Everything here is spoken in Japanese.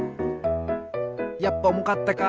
やっぱおもかったか。